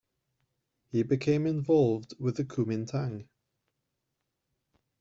He became involved with the Kuomintang.